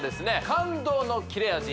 感動の切れ味！